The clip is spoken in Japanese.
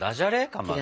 かまど。